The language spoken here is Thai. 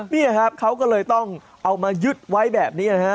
นี่ครับเขาก็เลยต้องเอามายึดไว้แบบนี้นะฮะ